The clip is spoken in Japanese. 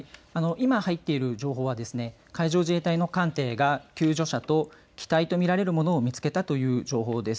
今入っている情報はですね海上自衛隊の艦艇が救助者と、機体と見られるものを見つけたという情報です。